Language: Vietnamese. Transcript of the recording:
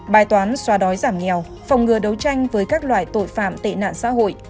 bài toán xoa đói giảm nghèo phòng ngừa đấu tranh với các loại tội phạm tệ nạn xã hội